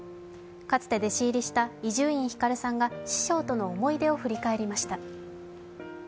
かつて弟子入りした伊集院光さんが師匠との思い出を振り返りました。